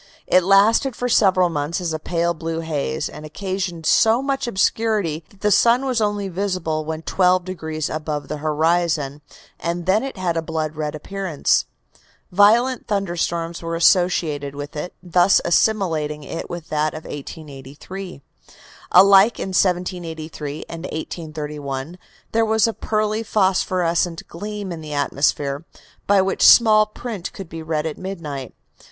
It lasted for several months as a pale blue haze, and occasioned so much obscurity that the sun was only visible when twelve degrees above the horizon, and then it had a blood red appearance. Violent thunderstorms were associated with it, thus assimilating it with that of 1883. Alike in 1783 and 1831 there was a pearly, phosphorescent gleam in the atmosphere, by which small print could be read at midnight.